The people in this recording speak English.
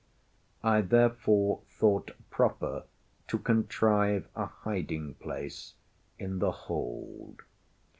I therefore thought proper to contrive a hiding place in the hold.